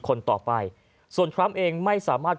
คนต่อไปส่วนทรัมป์เองไม่สามารถ